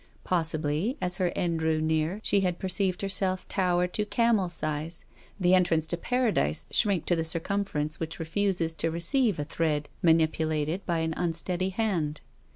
Possibly, as her end drew near she had perceived herself tower to camel 343 344 TONGUES OF COXSCIKNCE. size, the entrance to Paradise shrink to the circum ference which refuses to receive a thread mani pulated by an unsteady hand.